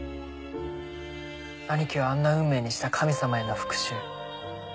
兄貴をあんな運命にした神様への復讐。